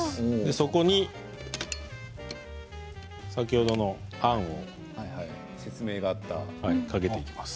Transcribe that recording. そこに先ほどのあんをかけていきます。